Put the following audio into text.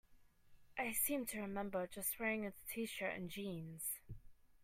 I seem to remember just wearing a t-shirt and jeans.